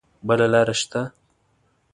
بله لار شته؟